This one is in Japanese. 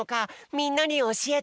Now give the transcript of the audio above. みんなにおしえて！